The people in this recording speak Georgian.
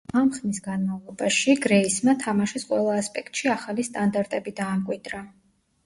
ამ ხნის განმავლობაში გრეისმა თამაშის ყველა ასპექტში ახალი სტანდარტები დაამკვიდრა.